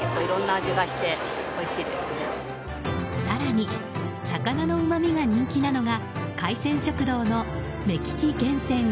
更に魚のうまみが人気なのが海鮮食堂の目利き厳選！